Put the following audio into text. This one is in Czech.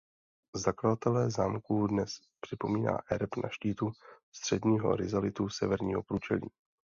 Zakladatele zámku dnes připomíná erb na štítu středního rizalitu severního průčelí.